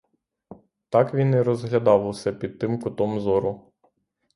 Так він і розглядав усе під тим кутом зору.